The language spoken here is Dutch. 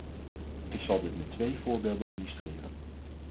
Ik zal dit met twee voorbeelden illustreren.